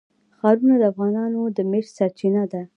ښارونه د افغانانو د معیشت سرچینه ده.